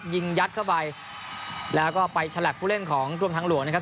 ยิงยัดเข้าไปแล้วก็ไปฉลับผู้เล่นของกรมทางหลวงนะครับ